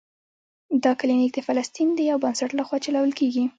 دا کلینک د فلسطین د یو بنسټ له خوا چلول کیږي.